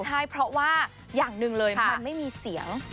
ใช่เพราะว่าอย่างหนึ่งเลยมันไม่มีเสียง